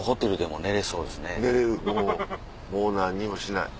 もうもう何にもしない。